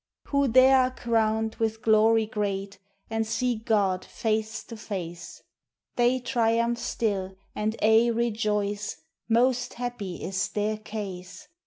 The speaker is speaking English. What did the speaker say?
Who there are crowned with glory great, And see God face to face, They triumph still, and aye rejoice Most happy is their case.